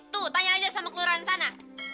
tuh tanya aja sama kelurahan sana